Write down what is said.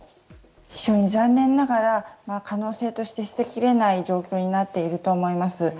非常に残念ながら可能性として捨てきれない状況になっていると思います。